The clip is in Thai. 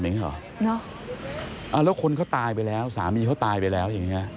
แล้วคนเขาตายไปแล้วสามีเขาตายไปแล้ว